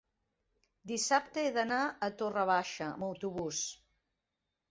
Dissabte he d'anar a Torre Baixa amb autobús.